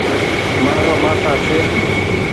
مآرو مآسآ ڇي ۔